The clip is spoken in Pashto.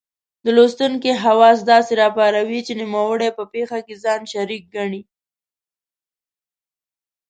د لوستونکې حواس داسې را پاروي چې نوموړی په پېښه کې ځان شریک ګڼي.